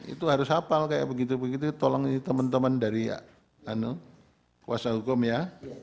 itu harus hafal kayak begitu begitu tolong teman teman dari kuasa hukum ya